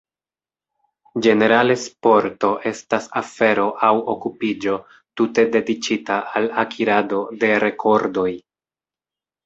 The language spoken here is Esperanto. Ĝenerale sporto estas afero aŭ okupiĝo tute dediĉita al akirado de rekordoj.